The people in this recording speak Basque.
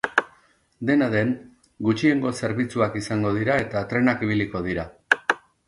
Dena den, gutxiengo zerbitzuak izango dira eta trenak ibiliko dira.